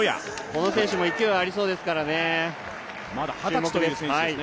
この選手も勢いがありそうですから、注目です。